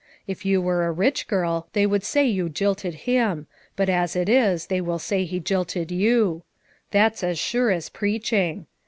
If you were a rich girl, they would say you jilted him, but as it is they will say he jilted you; that's as sure as preaching.